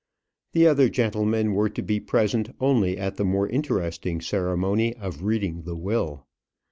The other gentlemen were to be present only at the more interesting ceremony of reading the will.